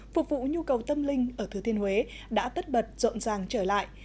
phục vụ nhu cầu tâm linh ở thừa thiên huế đã tất bật rộn ràng trở lại